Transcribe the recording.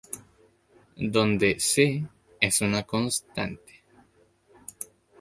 Donde "c" es una constante.